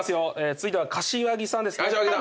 続いては柏木さんですね。